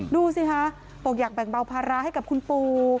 ดูสิคะบอกอยากแบ่งเบาภาระให้กับคุณปู่